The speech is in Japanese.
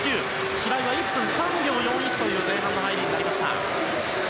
白井は１分３秒４１という前半の入りでした。